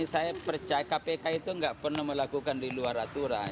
saya percaya kpk itu nggak pernah melakukan di luar aturan